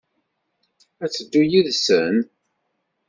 Ad d-teddu yid-sen?